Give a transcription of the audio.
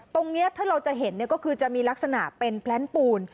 ตรงนี้ถ้าเราจะเห็นก็คือจะมีลักษณะเป็นแพลนปูน